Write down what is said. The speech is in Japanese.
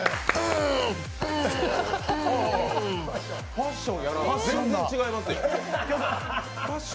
パッション屋良、全然違いますよ。